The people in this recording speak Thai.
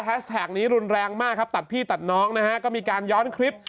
แท็กนี้รุนแรงมากครับตัดพี่ตัดน้องนะฮะก็มีการย้อนคลิป